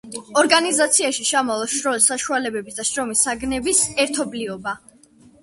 ორგანიზაციაში შემავალ შრომის საშუალებების და შრომის საგნების ერთობლიობა.